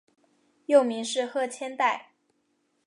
幼名是鹤千代。